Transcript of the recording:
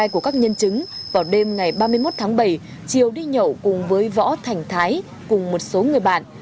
chiều đi nhậu cùng với võ thành thái cùng một số người bạn